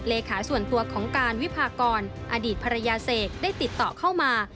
เลขาส่วนตัวของการวิพากรอดีตภรรยาเสกได้ติดต่อเข้ามา